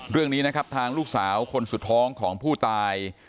เรื่องนี้นะครับทางลูกสาวคนสุดท้องของผู้ตาย